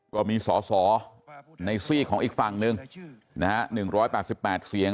ก็มีสอสอในซีกของอีกฝั่งหนึ่ง๑๘๘เสียง